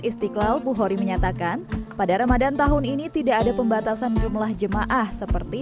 istiqlal buhori menyatakan pada ramadan tahun ini tidak ada pembatasan jumlah jemaah seperti